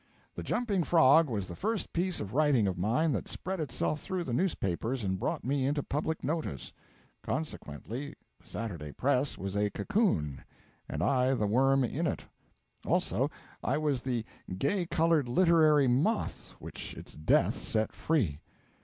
The 'Jumping Frog' was the first piece of writing of mine that spread itself through the newspapers and brought me into public notice. Consequently, the 'Saturday Press' was a cocoon and I the worm in it; also, I was the gay coloured literary moth which its death set free.